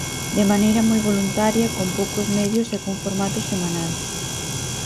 De maneira moi voluntaria, con poucos medios e cun formato semanal.